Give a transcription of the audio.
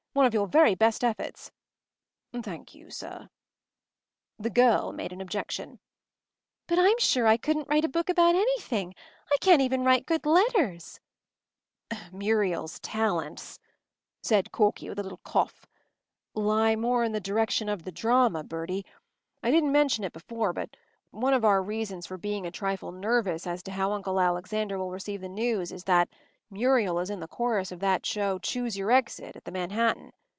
One of your very best efforts.” “Thank you, sir.” The girl made an objection. “But I’m sure I couldn’t write a book about anything. I can’t even write good letters.” “Muriel’s talents,” said Corky, with a little cough “lie more in the direction of the drama, Bertie. I didn’t mention it before, but one of our reasons for being a trifle nervous as to how Uncle Alexander will receive the news is that Muriel is in the chorus of that show Choose your Exit at the Manhattan.